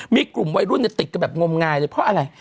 มีกลุ่มวัยรุ่นติดกันแบบงมงายเลยเพราะอะไร